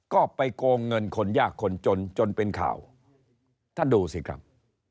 ก็ไปโกงเงินคนยากคนจนจนเป็นข่าวท่านดูสิครับ